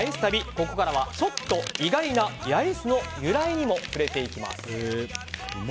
ここからはちょっと意外な八重洲の由来にも触れていきます。